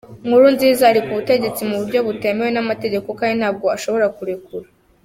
Nkurunziza ari ku butegetsi mu buryo butemewe n’amategeko kandi ntabwo ashobora kurekura.